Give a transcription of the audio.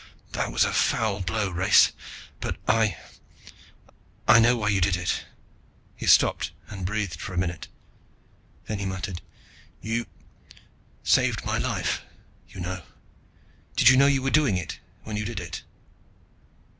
"That was a foul blow, Race, but I I know why you did it." He stopped and breathed for a minute. Then he muttered, "You ... saved my life, you know. Did you know you were doing it, when you did it?"